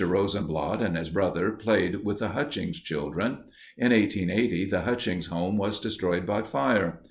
Rosenblatt and his brothers played with the Hutchings children. In 1880 the Hutchings home was destroyed by fire.